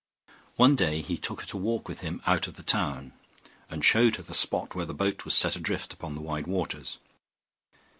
One day he took her to walk with him out of the town, and showed her the spot where the boat was set adrift upon the wide waters.